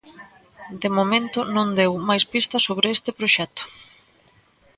De momento non deu máis pistas sobre este proxecto.